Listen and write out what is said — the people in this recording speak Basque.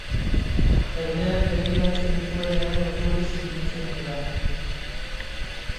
Jendeak begiratzen dituenean urduri sentitzen dira.